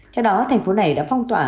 theo đó thành phố này đã phong toả